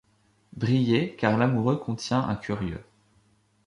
Brillait, car l'amoureux contient un curieux.